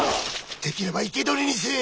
できれば生け捕りにせえ。